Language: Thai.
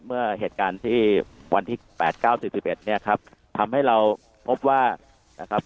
เมื่อเหตุการณ์ที่วันที่๘๙๔๑เนี่ยครับทำให้เราพบว่านะครับ